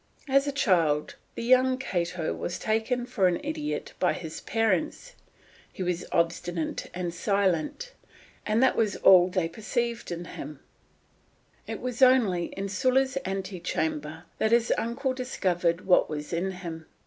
As a child, the young Cato was taken for an idiot by his parents; he was obstinate and silent, and that was all they perceived in him; it was only in Sulla's ante chamber that his uncle discovered what was in him.